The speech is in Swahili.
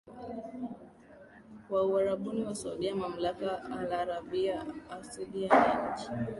wa Uarabuni wa Saudia mamlaka alarabiyya assaaudiyya ni nchi